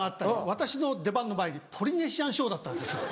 私の出番の前にポリネシアンショーだったんですよ。